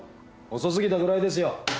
遅過ぎたぐらいですよ。